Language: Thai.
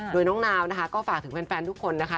โดยน้องนาวนะคะก็ฝากถึงแฟนทุกคนนะคะ